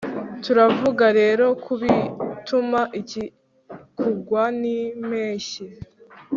turavuga rero kubitumba, icyi, kugwa nimpeshyi